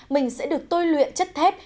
mình sẽ được tôi luyện chất thép